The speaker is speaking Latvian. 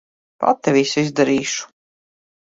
Pati visu izdarīšu.